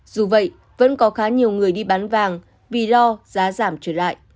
dù vậy vẫn có khá nhiều người đi bán vàng vì lo giá giảm trở lại